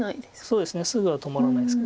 そうですねすぐは止まらないです。